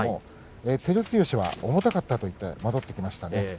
照強は重たかったと言って戻ってきました。